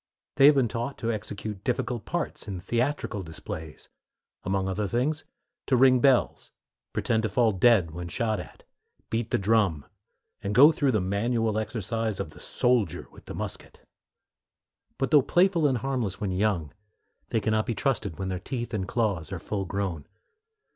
They have been taught to execute difficult parts in theatrical displays; among other things, to ring bells, pretend to fall dead when shot at, beat the drum, and go through the manual exercise of the soldier with the musket. But though playful and harmless when young, they can not be trusted when their teeth and claws are full grown.